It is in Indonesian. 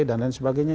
dan lain sebagainya